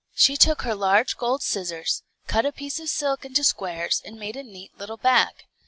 She took her large gold scissors, cut a piece of silk into squares, and made a neat little bag.